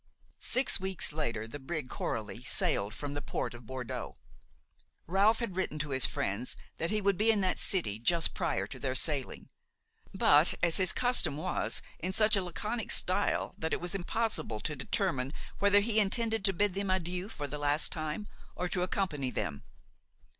Six weeks later the brig Coraly sailed from the port of Bordeaux. Ralph had written to his friends that he would be in that city just prior to their sailing; but, as his custom was, in such a laconic style that it was impossible to determine whether he intended to bid them adieu for the last time or to accompany them.